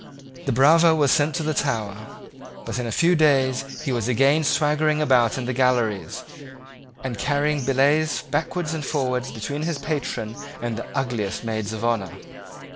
The bravo was sent to the Tower: but in a few days he was again swaggering about the galleries, and carrying billets backward and forward between his patron and the ugliest maids of honour.